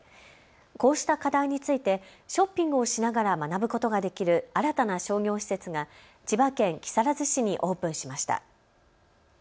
こうした課題についてショッピングをしながら学ぶことができる新たな商業施設が千葉県木更津市にオープンしました。